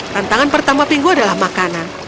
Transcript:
tantangan pertama pingu adalah makanan